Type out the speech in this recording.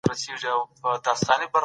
هغه خلګ چي متحد دي نه ماتیږي.